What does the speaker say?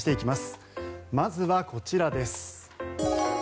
まずはこちらです。